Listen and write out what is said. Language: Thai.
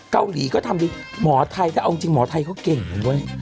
เกาหลีก็ทำดีหมอไทยถ้าเอาจริงหมอไทยเขาเก่งนะเว้ย